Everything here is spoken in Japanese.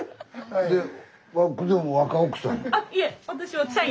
はい。